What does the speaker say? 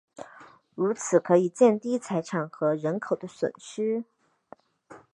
如此可以降低财产和人口的损失。